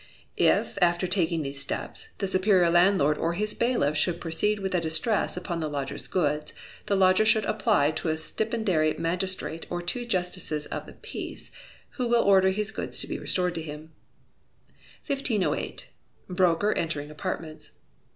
If, after taking these steps, the superior landlord, or his bailiff, should proceed with a distress upon the lodger's goods, the lodger should apply to a stipendiary magistrate or to two justices of the peace, who will order his goods to be restored to him. 1508. Broker Entering Apartments.